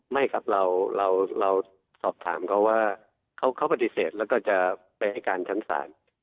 ไม่ครับเราสอบถามเขาว่าเขาปฏิเสธแล้วก็จะไปให้การชั้นศาล